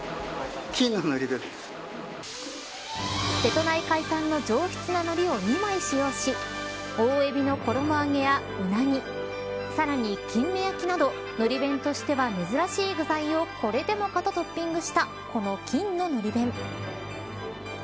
瀬戸内海産の上質なのりを２枚使用し大海老の衣揚げや、うなぎさらに金目焼きなど海苔弁としては珍しい具材をこれでもかとトッピングしたこの金の海苔弁。